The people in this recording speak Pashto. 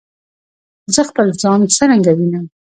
زه خپل ځان څرنګه وینم؟